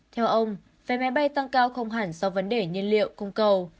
theo ông vé máy bay tăng cao không hẳn do vấn đề nhiên liệu cung cầu